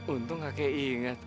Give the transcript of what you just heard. untung kakek ingat